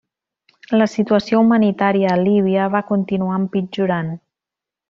La situació humanitària a Líbia va continuar empitjorant.